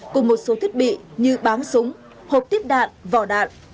cùng một số thiết bị như bám súng hộp tiếp đạn vỏ đạn